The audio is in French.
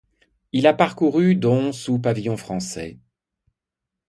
Il a parcouru dont sous pavillon français.